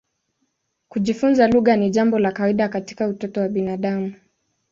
Kujifunza lugha ni jambo la kawaida katika utoto wa binadamu.